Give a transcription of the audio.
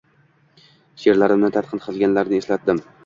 she’rlarimni tanqid kilganlarini eslatdim.